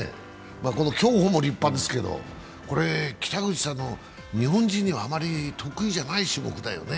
競歩も立派ですけど、北口さんのは日本人はあまり得意じゃない種目だよね。